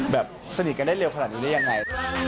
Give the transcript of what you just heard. แบบสนิกกันได้เร็วขนาดนี้ได้อย่างไร